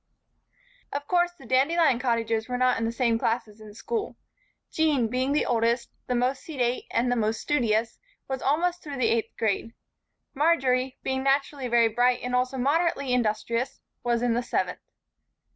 Of course the Dandelion Cottagers were not in the same classes in school. Jean, being the oldest, the most sedate and the most studious, was almost through the eighth grade. Marjory, being naturally very bright and also moderately industrious, was in the seventh.